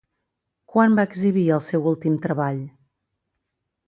Quan va exhibir el seu últim treball?